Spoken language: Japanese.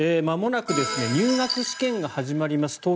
まもなく入学試験が始まります。